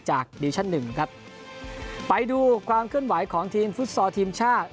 จากดิวชั่น๑ครับไปดูความเคลื่อนไหวของทีมฟุตซอร์ทีมชาติ